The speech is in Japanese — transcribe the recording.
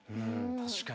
確かに。